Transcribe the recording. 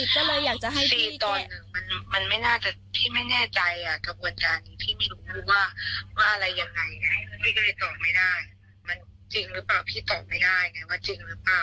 ตอบไม่ได้มันจริงหรือเปล่าพี่ตอบไม่ได้ไงว่าจริงหรือเปล่า